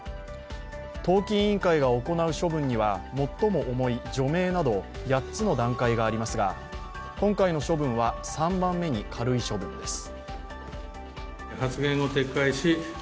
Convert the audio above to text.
党紀委員会が行う処分には最も重い除名など８つの段階がありますが今回の処分は３番目に軽い処分です